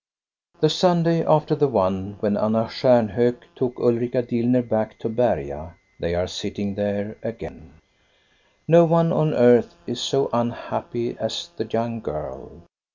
The Sunday after the one when Anna Stjamhok took Ulrika Dillner back to Berga they are sitting there again. No one on earth is so unhappy as the young girl.